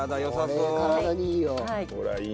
これ体にいいよ。